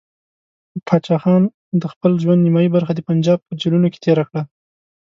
پاچا خان د خپل ژوند نیمایي برخه د پنجاب په جیلونو کې تېره کړه.